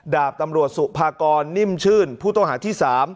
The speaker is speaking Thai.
ดาบตำรวจสุภากรนิ่มชื่นผู้ต้องหาที่๓